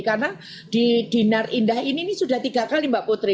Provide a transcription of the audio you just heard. karena di dinar indah ini sudah tiga kali mbak putri